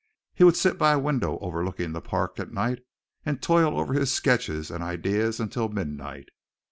He would sit by a window overlooking the park at night and toil over his sketches and ideas until midnight.